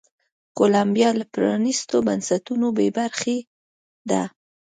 کولمبیا له پرانیستو بنسټونو بې برخې ده.